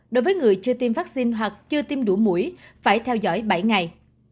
đối với người chưa tiêm vaccine hoặc chưa tiêm đủ mũi phải theo dõi bảy ngày